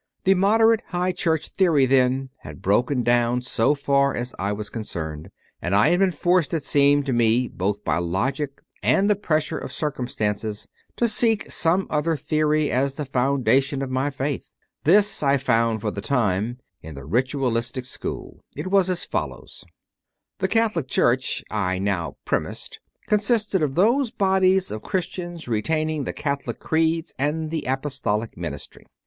The "Moderate High Church" theory, then, had broken down so far as I was concerned, and I had been forced, it seemed to me, both by logic and the pressure of circum stances, to seek some other theory as the founda tion of my faith. This I found, for the time, in the Ritualistic School. It was as follows. 74 CONFESSIONS OF A CONVERT The Catholic Church, I now premised, con sisted of those bodies of Christians retaining the Catholic Creeds and the Apostolic ministry.